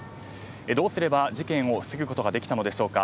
どうすれば事件を防ぐことができたのでしょうか。